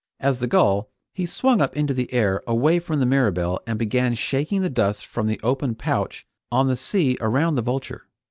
As the gull, he swung up into the air away from the Mirabelle, and began shaking the dust from the open pouch on the sea around the Vulture.